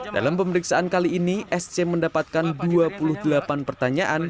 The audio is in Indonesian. dalam pemeriksaan kali ini sc mendapatkan dua puluh delapan pertanyaan